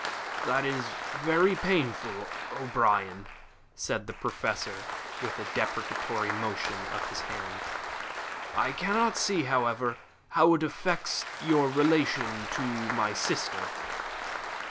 "This is very painful, O'Brien," said the Professor, with a deprecatory motion of his hand. "I cannot see, however, how it affects your relation to my sister."